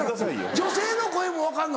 女性の声も分かんの？